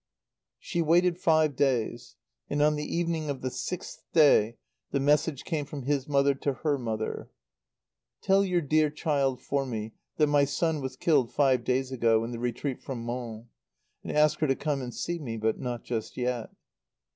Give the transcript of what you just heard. She waited five days. And on the evening of the sixth day the message came from his mother to her mother: "Tell your dear child for me that my son was killed five days ago, in the retreat from Mons. And ask her to come and see me; but not just yet."